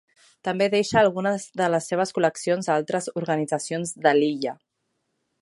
També deixa algunes de les seves col·leccions a altres organitzacions de l'illa.